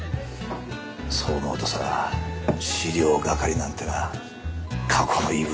そう思うとさ資料係なんてのは過去の遺物だなあ。